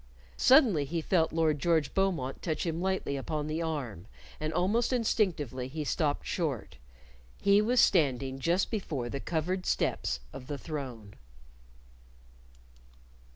Suddenly he felt Lord George Beaumont touch him lightly upon the arm, and almost instinctively he stopped short he was standing just before the covered steps of the throne.